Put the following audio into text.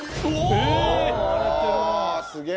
え！